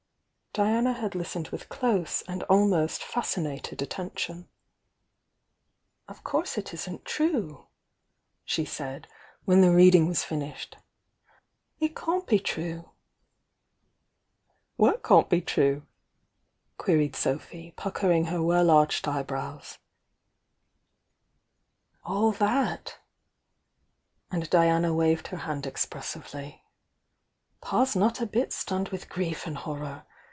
Diana had listened with close and ahnost fasci nated attention. THE YOUNG DiANA 91 "Of course it isn't true," she said, when the read ing was finished. "It can't be true." "What can't be true?" queried Sophy, puckering her well arched eyebrows. "All that!" and Diana waved her hand expres sively. "Pa's not a bit stunned with grief and hor ror!'